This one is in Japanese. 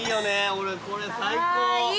俺これ最高。